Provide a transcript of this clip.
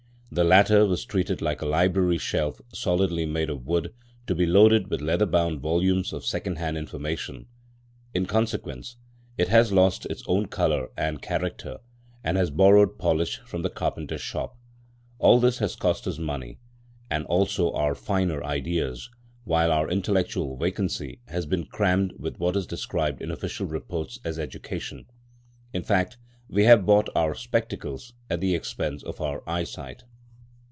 The latter was treated like a library shelf solidly made of wood, to be loaded with leather bound volumes of second hand information. In consequence, it has lost its own colour and character, and has borrowed polish from the carpenter's shop. All this has cost us money, and also our finer ideas, while our intellectual vacancy has been crammed with what is described in official reports as Education. In fact, we have bought our spectacles at the expense of our eyesight.